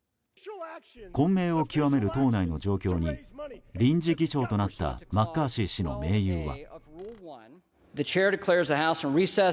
混迷を極める党内の状況に臨時議長となったマッカーシー氏の盟友は。